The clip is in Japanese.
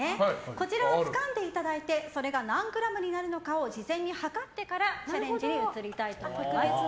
こちらをつかんでいただいてそれが何グラムになるかを事前に量ってからチャレンジに移りたいと思います。